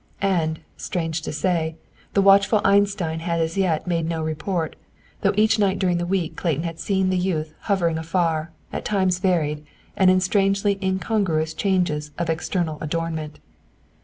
And, strange to say, the watchful Einstein had as yet made no report, though each night during the week Clayton had seen the youth hovering afar, at varied times, and in strangely incongruous changes of external adornment.